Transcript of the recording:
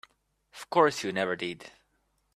Of course you never did.